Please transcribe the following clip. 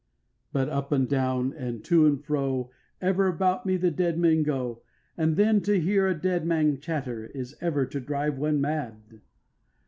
But up and down and to and fro, Ever about me the dead men go; And then to hear a dead man chatter Is enough to drive one mad.